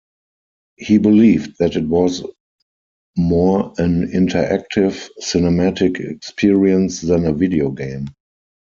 He believed that it was "more an interactive, cinematic experience than a video game".